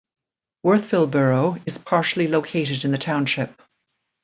Worthville Borough is partially located in the township.